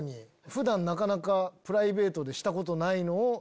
普段なかなかプライベートでしたことないのを。